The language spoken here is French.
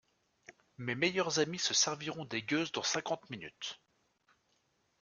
Mes meilleurs amis se serviront des gueuses dans cinquante minutes.